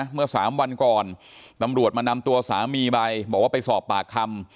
เมื่อ๓วันก่อนตำรวจมานำตัวสามีไปบอกว่าไปสอบปากคำ